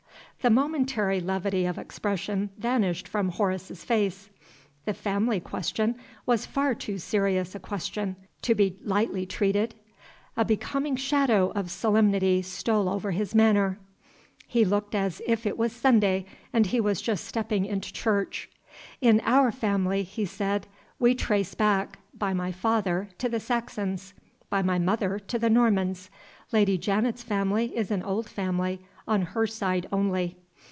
The momentary levity of expression vanished from Horace's face. The family question was far too serious a question to be lightly treated A becoming shadow of solemnity stole over his manner. He looked as if it was Sunday, and he was just stepping into church. "In OUR family," he said, "we trace back by my father, to the Saxons; by my mother, to the Normans. Lady Janet's family is an old family on her side only."